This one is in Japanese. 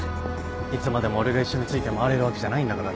いつまでも俺が一緒について回れるわけじゃないんだからな。